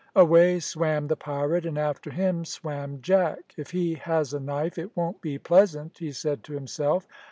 Away swam the pirate, and after him swam Jack. "If he has a knife, it won't be pleasant," he said to himself.